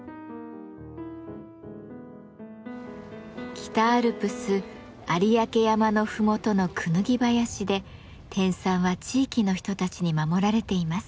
北アルプス有明山の麓のクヌギ林で天蚕は地域の人たちに守られています。